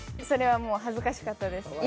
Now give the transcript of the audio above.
それはもう恥ずかしかったです。